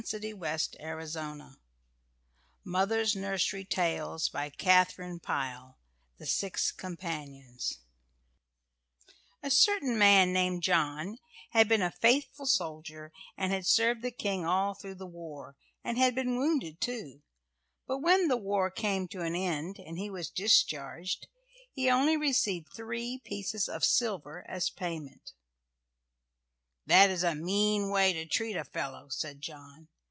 [Illustration: The Six Companions] THE SIX COMPANIONS A certain man named John had been a faithful soldier, and had served the King all through the war, and had been wounded, too; but when the war came to an end and he was discharged he only received three pieces of silver as payment. "That is a mean way to treat a fellow," said John.